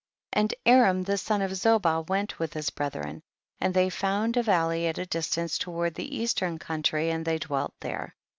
38. And Aram the son of Zoba went with his brethren, and they found a valley at a distance toward the eastern country and they dwelt there.